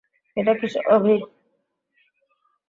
এটা কি স্বাভাবিক?